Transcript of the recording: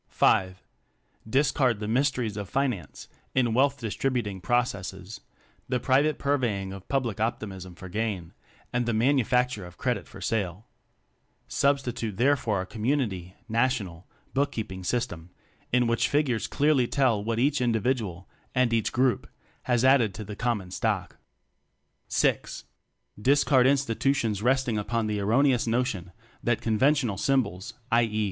(V) Discard the "mysteries of fi nance" in wealth distributing pro cesses the private purveying of pub lic optimism for gain and the "man ufacture of credit" for sale; Substitute therefor a community (national) bookkeeping system, in which figures clearly tell what each individual and each group has added to the common stock. (VI) Discard institutions resting upon the erroneous notion that con ventional symbols, i. e.